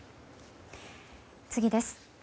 次です。